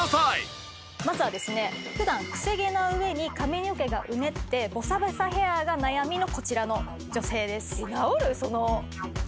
まずはですね普段クセ毛な上に髪の毛がうねってボサボサヘアが悩みのこちらの女性です。